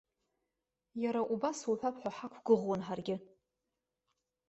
Иара убас уҳәап ҳәа ҳақәгәыӷуан ҳаргьы!